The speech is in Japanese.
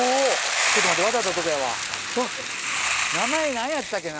ちょっと待って渡ったとこやわ。